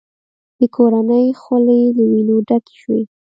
د کورنۍ خولې له وینو ډکې شوې.